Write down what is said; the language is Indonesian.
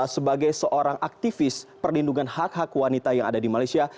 sebagai seorang aktivis perlindungan hak hak wanita yang ada di malaysia